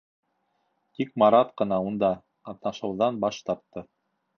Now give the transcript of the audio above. Тик Марат ҡына унда ҡатнашыуҙан баш тартты.